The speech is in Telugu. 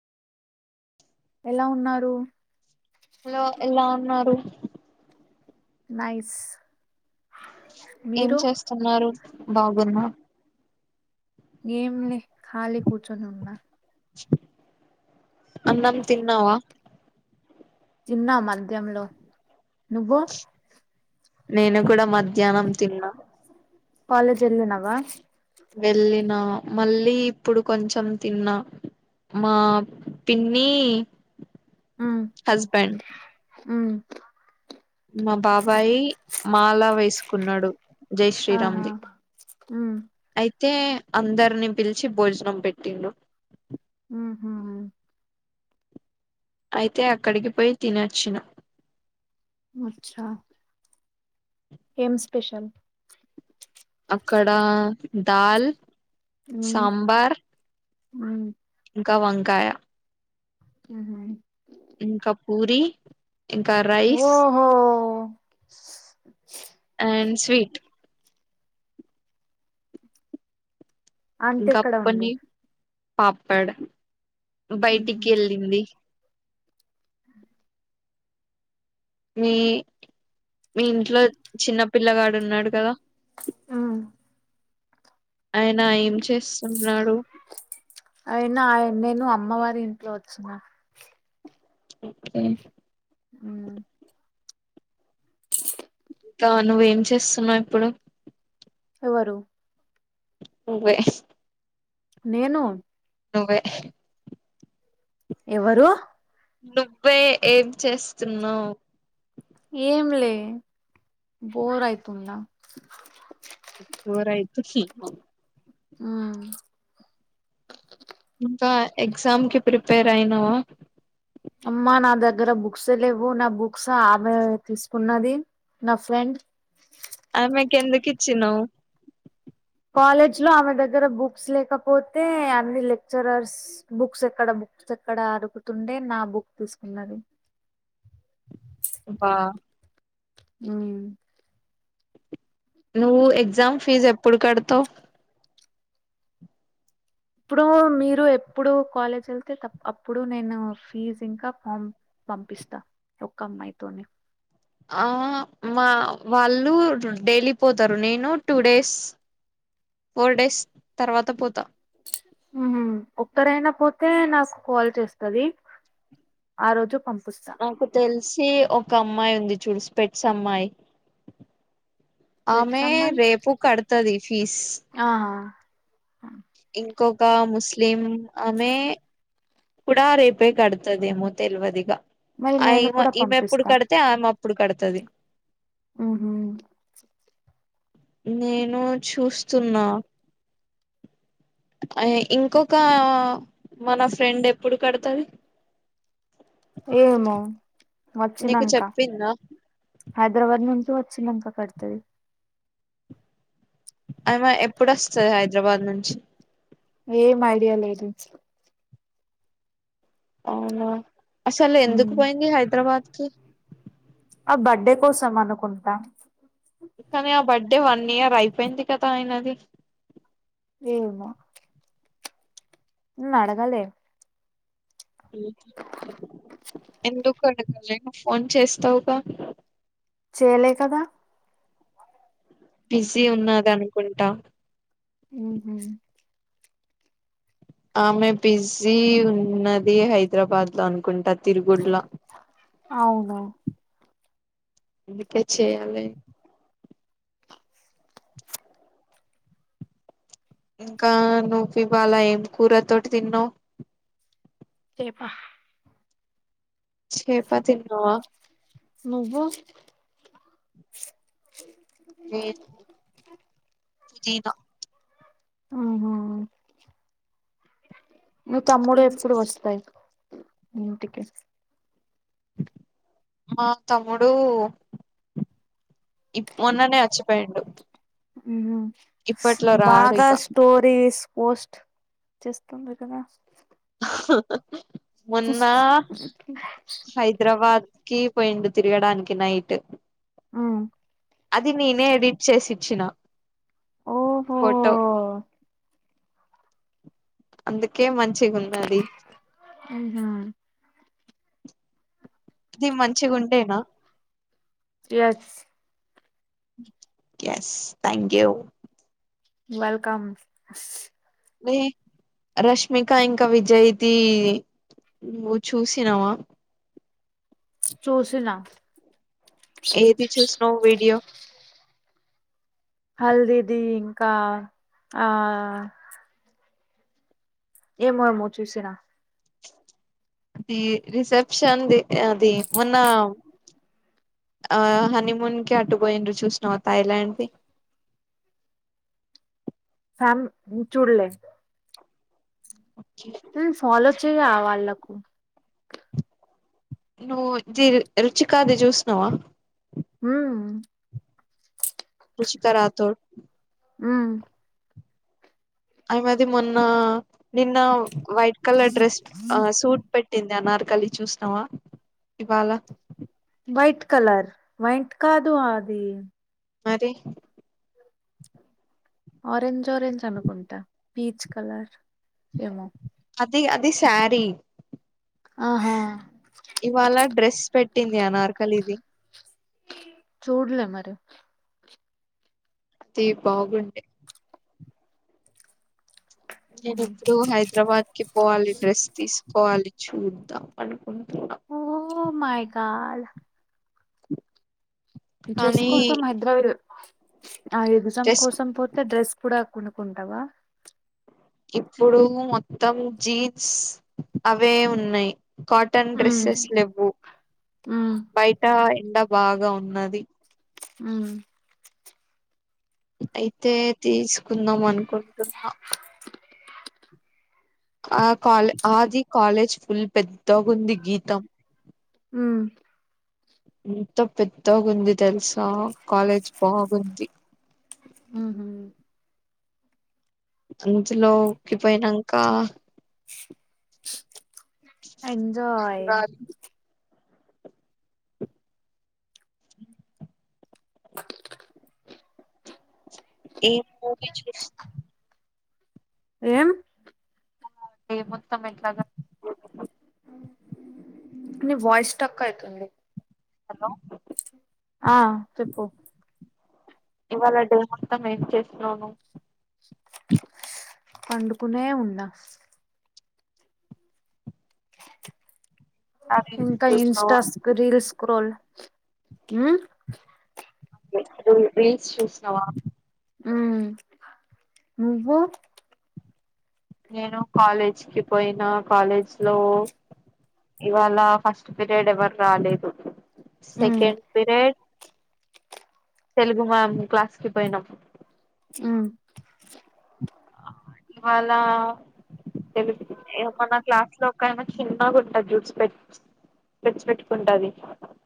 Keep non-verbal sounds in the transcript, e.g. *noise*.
ఎలా ఉన్నారు హలో ఎలా ఉన్నారు నైస్ ఏం మీరు చేస్తున్నారు బాగుంద ఏంలే ఖాళీ కూర్చొని ఉన్నా అన్నం తిన్నావ తిన్నా మద్యంలో నువ్వు నేను కూడా మధ్యాహ్నం తిన్న కాలేజ్ వెళ్లినవ వెళ్ళిన మళ్ళీ ఇప్పుడు కొంచెం తిన్నా మా పిన్ని, హస్బెండ్ హ్మ్ మా బాబాయి మాలా వేసుకున్నడు జై ఆహా శ్రీరామ్ది ఉమ్ అయితే అందరినీ పిలిచి భోజనం పెట్టిండ్రు మ్మ్ హు అయితే అక్కడికి పోయి తినొచ్చిన మచ్చా ఏం స్పెషల్ కడా దాల్ హ్ము సాంబార్ హ్మ్ క వంకాయ హ్మ్ హు ఇంకా పూరి ఇంకా రైస్ ఒకే అండ్ స్వీట్ ఇంకా అంతిక్కడే కొన్ని వండిన పాపడ్ బయటి ఉహు కెళ్ళింది మీ మి ఇంట్లో చిన్నపిల్లగాడు ఉన్నాడు కదా ఆ ఆయన ఏం చేస్తున్నాడు అయినా ఆయన్ నేను అమ్మవారి ఇంట్లో వచ్చిన అ హ్మ్ ఇంకా నువ్వేం చేస్తున్నవు ఇప్పుడు ఎవరు నువ్వే నేను నువ్వే ఎవరు నువ్వే ఏం చేస్తున్నావు ఏంలే బోర్ అయితుందా బోరయితుంది హూ ఇంకా ఎగ్జామ్ కి ప్రిపేర్ అయినావా అమ్మా నా దగ్గర బుక్స్ లేవు నా బుక్స్ ఆమె తీసుకున్నది నా ఫ్రెండ్ ఆమెకేందుకిచ్చినవు కాలేజ్ లో ఆమె దగ్గర బుక్స్ లేకపోతే అన్ని లెక్చరర్స్ బుక్స్ ఎక్కడ బుక్స్ అక్కడ అడుకుతుండే నా బుక్ తీసుకున్నడు వా హూ నువ్వు ఎగ్జామ్ ఫీజ్ ఎప్పుడు కడతవు ఇప్పుడు మీరు ఎప్పుడు కాలేజ్ వెళ్తే త అప్పుడు నేను ఫీజ్ ఇంకా ఫమ్ పంపిస్తా ఒక్క అమ్మాయితోనీ ఆ మా వాళ్ళు డైలీ పోతారు నేను టూ డేస్ ఫోర్ డేస్ తర్వాత పోతా ఒక్కరు అయినా పోతే నాకు కాల్ చేస్తుంది ఆరోజు పంపి నాకు తెలిసి ఒక అమ్మాయి ఉంది చూసి స్పేట్స్ అమ్మాయి ఎట్స్ ఆమె అమ్మాయి రేపు కడుతది ఫీజ్ అ ఇంకొక ముస్లిం ఆమె కూడా రేపే కడుతదేమో తెలియదిగా మరి ఆ నేను కూడా ఈమె ఎప్పుడు పంపిస్తా కడితే ఆయమె అప్పుడు కడతుది హూహు నేను చూస్తున్నా అ ఇంకొక మన ఫ్రెండ్ ఎప్పుడు కడతది ఏమో నీకు వచ్చినంక చెప్పింద హైదరాబాద్ నుంచి వచ్చనాకా కడతది ఆమె ఎప్పుడోస్తది హైదరాబాద్ నుంచి ఏం ఐడియా లేదు అవునా అసలు ఎందుకు మ్మ్ పోయింది హైదరాబాద్ కి ఆ బర్డే కోసం అనుకుంటా కానీ ఆ బర్త్డే వన్ ఇయర్ అయిపోయింది కదా ఆయనది ఏమో నేను అడగలేే అ ఎందుకు అడగలే నువ్వు ఫోన్ చేస్తావుగా చేయలే కదా బిజీ ఉన్నవు అనుకుంటా ఉహు ఆమె బిజీ ఉన్నది హైదరాబాద్ లో అనుకుంటా తిరుగుడు ల అవును అందుకే చేయలే ఇంకా నువ్వు ఇవాల ఏం కూర తోటి తిన్నావు సేపా చెపా తిందువ నువ్వు లెధు చెయ్లే ఆహ మీ తమ్ముడు ఎప్పుడు వస్తాయి ఇంటికి మా తమ్ముడు మొన్ననే వచ్చిపోయిండు ఉమ్ ఇప్పట్లో రాడు బాగా ఇక స్టోరీస్ పోస్ట్ చేస్తుంది కదా హా మొన్న హైదరాబాద్ కీ పోయిండు తిరుగడానికి నైట్ ఆ అది నేనే ఎడిట్ చేసిచ్చినా ఓహో ఫోటో అందుకే మంచిగా ఉన్నది ఉమ్ హు ఇది మంచిగా ఉంటేనా yes yes thank you welcome ఎయ్ రష్మిక ఇంకా విజయి ధి నువ్వు చూసినావా చూసిన ఎధి చుసినావ్ వీడియో హల్దిది ఇంకా ఆ ఏమో ఏ మో చూసనా అది రిసెప్షన్ ధి అది మొన్న ఆ హనీమూన్ కి అటు పోయిండ్ర చూసినవు థాయిలాండ్ది ఫ్యామ్ చూడలే ఉమ్ ఫాలో చేయాల వల్లకు నువ్వు ఇది రుచి కాదు చుసినావా ఉమ్ ఫుసికా రాథోడ్ ఉమ్ ఆ మది మొన్న నిన్న వైట్ కలర్ డ్రెస్ సూట్ పెట్ పెట్టింది అనార్ కల్లి చూసినవా ఇవాళ వైట్ కలర్ వైట్ కాదుూ అది మరి ఆరెంజ్ ఆరెంజ్ అనుకుంటా పీచ్ కలర్ ఏమో ధి అధి సరి ఆహా ఇవాళ డ్రెస్ పెట్టింది అ నార్కల్ ఇది చూడలే మరి అది బాగుండడి నేను ఎప్పుడు హైదరాబాద్ కి పోవాలి డ్రెస్ తీసుకోవాలి చూద్దాం అ ఓ మై గాడ్ డ్రెస్ కానీ కోసం హైదరాబాద్ ఆ ఎగ్జామ్ డ్రెస్ కోసం పోతే డ్రెస్ కూడా కొనుకుంటావా ఇప్పుడు మొత్తం జీన్స్ అవే ఉన్నాయి కాటన్ ఉమ్ డ్రెస్సెస్ లేవు ఉమ్ బయట ఎండ బాగా ఉన్నది హ్మ్ అయితే తీసుకుందాం అనుకుంటున్నా ఆ ఆది కాలేజ్ ఫుల్ పెద్దగుంది గీతం అ ఎంతో పెద్దోగుంది తెలుసా కాలేజ్ బాగుంది ఉమ్ హు అంచుల్లో ఉక్కిపోయినాక ఎంజాయ్ అ అ ఏ మూవీ చూస్తా ఏం యీ మొత్తం ఎట్లాగా *unintelligible* అ వాయిస్ స్ట్రక్ అవుతుంది అబ్బా ఆ చెప్పు ఇవాళ డే మొత్తం ఏం చేస్తున్నావు ను పండుకునే ఉన్నా రీల్స్ ఇంకా చూసినావా ఇన్స్టాస్ రీల్ స్క్రోల్ రీల్స్ చూసినవా ఉ నువ్వు నేను కాలేజ్కి పోయిన కాలేజ్ లో ఇవాళ ఫస్ట్ పీరియడ్ ఎవరు రాలేదు ఉమ్ సెకండ్ పీరియడ్ తెలుగు మ్యామ్ క్లాస్కి పోయినాం ఆ ఇవాళ తెలు ఏమనా క్లాస్ లో ఒకైనా చిన్నగాంటది చూడు స్పెట్స్ స్పెట్స్ పెట్టుకుంటాది